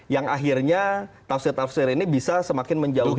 yang akhirnya tafsir tafsir ini bisa semakin menjauhkan